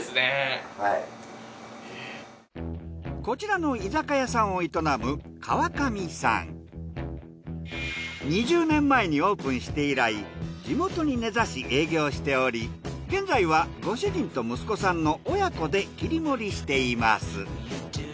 こちらの居酒屋さんを営む２０年前にオープンして以来地元に根ざし営業しており現在はご主人と息子さんの親子で切り盛りしています。